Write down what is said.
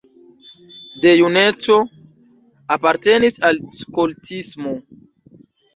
De juneco apartenis al skoltismo.